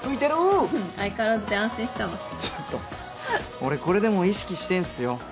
俺これでも意識してんすよ